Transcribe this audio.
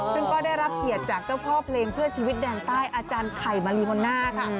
ซึ่งก็ได้รับเกียรติจากเจ้าพ่อเพลงเพื่อชีวิตแดนใต้อาจารย์ไข่มารีโมน่าค่ะ